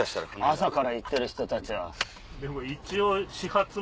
朝から行ってる人たちは。